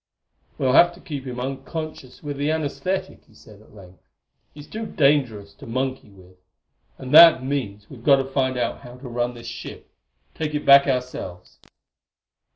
"We'll have to keep him unconscious with the anaesthetic," he said at length; "he's too dangerous to monkey with. And that means we've got to find out how to run this ship take it back ourselves."